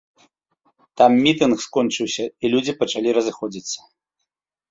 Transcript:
Там мітынг скончыўся, і людзі пачалі разыходзіцца.